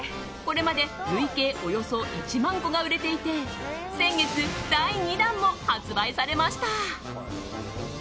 これまで累計およそ１万個が売れていて先月、第２弾も発売されました。